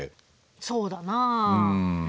そうだなあ。